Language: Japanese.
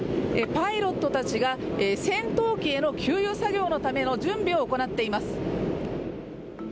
パイロットたちが戦闘機への給油作業のための準備を行っています。